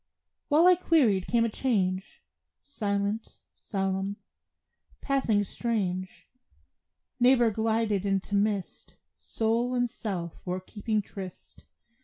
While I queried came a change, Silent, solemn, passing strange; Neighbor glided into mist, Soul and self were keeping tryst.